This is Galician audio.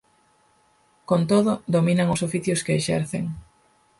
Con todo, dominan os oficios que exercen.